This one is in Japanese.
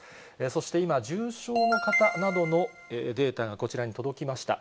そして今、重症の方などのデータがこちらに届きました。